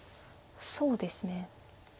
そうですね。